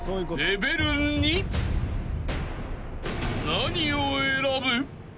［何を選ぶ？］